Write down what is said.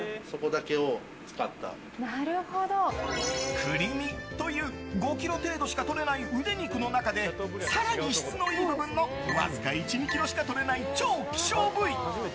クリミという５ｋｇ程度しかとれないウデ肉の中で更に、質のいい部分のわずか１２ｋｇしかとれない超希少部位。